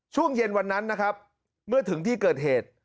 ช่วงเย็นวันนั้นนะครับเมื่อถึงที่เกิดเหตุ